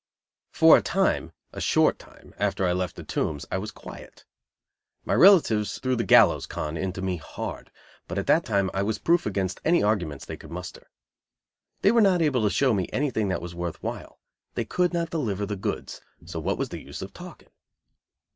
_ For a time a short time after I left the Tombs I was quiet. My relatives threw the gallows "con" into me hard, but at that time I was proof against any arguments they could muster. They were not able to show me anything that was worth while; they could not deliver the goods, so what was the use of talking?